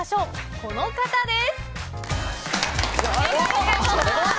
この方です！